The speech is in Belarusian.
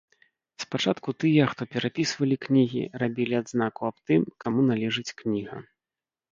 Спачатку тыя, хто перапісвалі кнігі, рабілі адзнаку аб тым, каму належыць кніга.